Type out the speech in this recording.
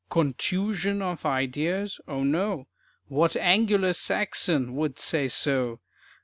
"Contusion of ideas." O no; What "Angular Saxon" would say so?